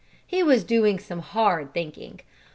He was doing some hard thinking.